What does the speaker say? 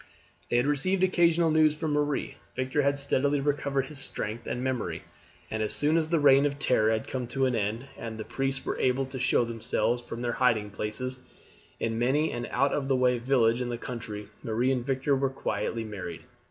They had received occasional news from Marie. Victor had steadily recovered his strength and memory, and as soon as the reign of terror had come to an end, and the priests were able to show themselves from their hiding places in many an out of the way village in the country, Marie and Victor were quietly married.